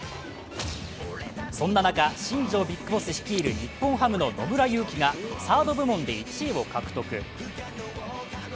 そんな中、新庄ＢＩＧＢＯＳＳ率いる日本ハムの野村佑希がサード部門で１位を獲得。